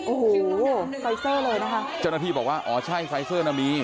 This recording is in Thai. โอ้โหไฟเซอร์เลยนะคะเจ้าหน้าที่บอกว่าอ๋อใช่ไฟเซอร์น่ะมี